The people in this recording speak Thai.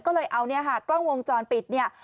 ก็เลยเอากล้องวงจรปิดท์